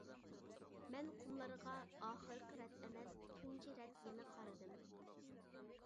مەن قۇملارغا ئاخىرقى رەت ئەمەس تۇنجى رەت يەنە قارىدىم.